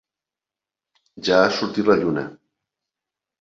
Ja ha sortit la lluna.